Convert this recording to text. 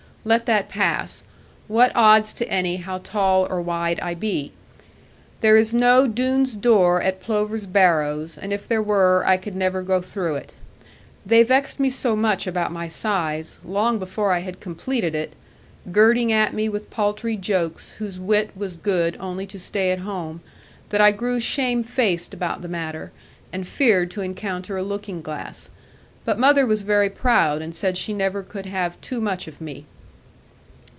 Let that pass: what odds to any how tall or wide I be? There is no Doone's door at Plover's Barrows and if there were I could never go through it. They vexed me so much about my size, long before I had completed it, girding at me with paltry jokes whose wit was good only to stay at home, that I grew shame faced about the matter, and feared to encounter a looking glass. But mother was very proud, and said she never could have too much of me.